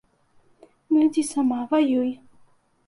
Ну, ідзі сама, ваюй.